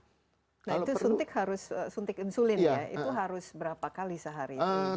nah itu suntik insulin ya itu harus berapa kali sehari